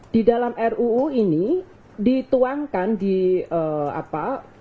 di dalam ruu ini dituangkan di apa